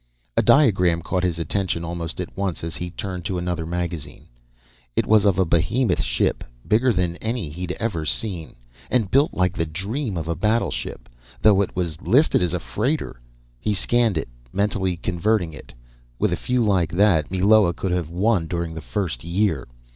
A diagram caught his attention almost at once as he turned to another magazine. It was of a behemoth ship, bigger than any he had ever seen, and built like the dream of a battleship, though it was listed as a freighter. He scanned it, mentally converting it. With a few like that, Meloa could have won during the first year.